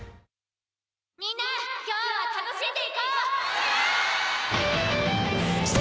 みんな今日は楽しんでいこう！